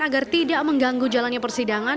agar tidak mengganggu jalannya persidangan